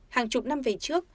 hàng chục năm về trước